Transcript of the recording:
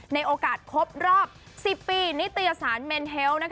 ในโอกาสครบรอบ๑๐ปีนิตยสารเมนเฮล